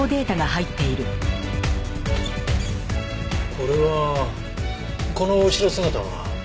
これはこの後ろ姿は？